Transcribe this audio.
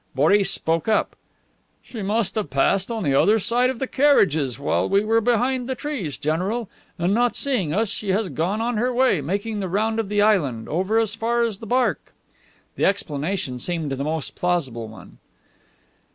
Boris spoke up: "She must have passed on the other side of the carriages while we were behind the trees, general, and not seeing us she has gone on her way, making the round of the island, over as far as the Barque." The explanation seemed the most plausible one.